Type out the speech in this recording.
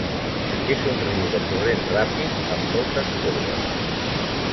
És un riu de corrent ràpid, amb moltes corbes.